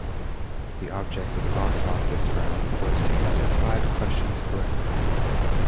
The object of the Box Office round was to answer five questions correctly.